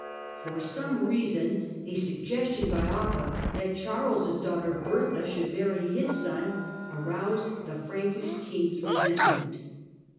For some reason, a suggestion by Offa that Charles' daughter Bertha should marry his son aroused the Frankish king's resentment.